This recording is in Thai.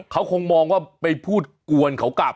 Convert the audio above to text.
เขาคงมองว่าไปพูดกวนเขากลับ